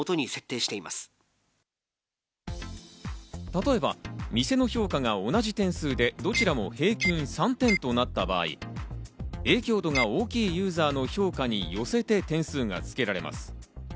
例えば、店の評価が同じ点数で、どちらも平均３点となった場合、影響度が大きいユーザーの評価に寄せて点数がつけられます。